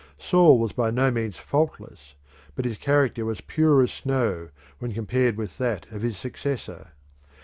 Saul was by no means faultless, but his character was pure as snow when compared with that of his successor.